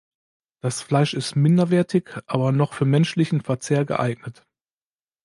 Das Fleisch ist minderwertig, aber noch für menschlichen Verzehr geeignet.